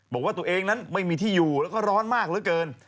บอกว่าตัวเองนั้นไม่มีที่อยู่แล้วก็ร้อนมากเหลือเกิน